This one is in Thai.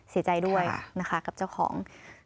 เสียใจด้วยนะคะกับเจ้าของ